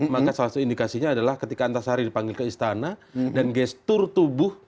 maka salah satu indikasinya adalah ketika antasari dipanggil ke istana dan gestur tubuh